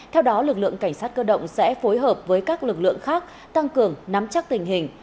theo đó lực lượng cảnh sát cơ động sẽ phối hợp với các lực lượng khác tăng cường nắm chắc tình hình